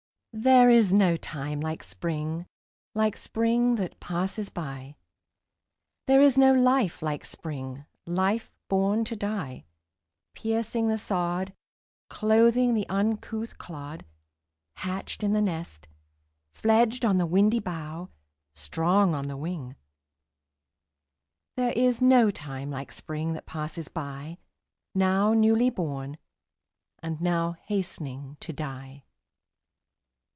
There is no time like Spring, Like Spring that passes by; There is no life like Spring life born to die, Piercing the sod, Clothing the uncouth clod, Hatched in the nest, Fledged on the windy bough, Strong on the wing: There is no time like Spring that passes by, Now newly born, and now Hastening to die.